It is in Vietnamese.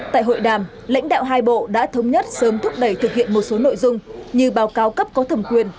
tại hội đàm lãnh đạo hai bộ đã thống nhất sớm thúc đẩy thực hiện một số nội dung như báo cáo cấp có thẩm quyền